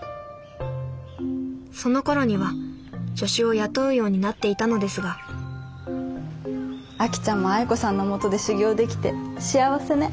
そのころには助手を雇うようになっていたのですがあきちゃんも愛子さんのもとで修業できて幸せね。